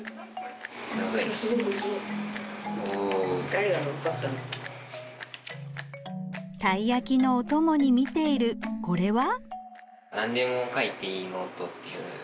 店たい焼きのお供に見ているこれは？